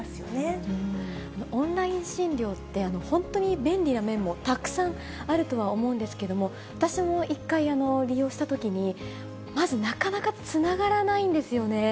オンライン診療って、本当に便利な面もたくさんあるとは思うんですけれども、私も１回利用したときに、まず、なかなかつながらないんですよね。